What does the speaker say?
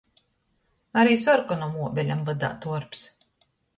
Ari sorkonam uobeļam vydā tuorps.